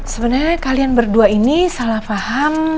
sebenarnya kalian berdua ini salah paham